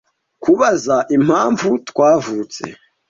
Kubaza impamvu twavutse…